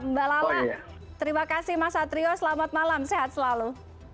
mbak lala terima kasih mas satrio selamat malam sehat selalu